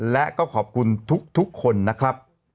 และก็ขอบคุณทุกคนนะครับ